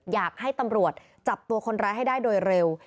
อยากให้ตำรวจจับตัวคนร้ายให้ได้โดยเร็ว